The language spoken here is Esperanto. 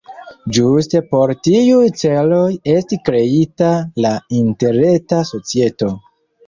Ĝuste por tiuj celoj estis kreita la Interreta Societo.